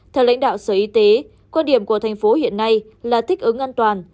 theo lãnh đạo sở y tế quan điểm của thành phố hiện nay là thích ứng an toàn